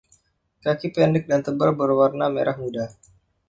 Kaki pendek dan tebal berwarna merah muda.